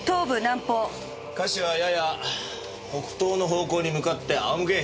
下肢はやや北東の方向に向かって仰向け。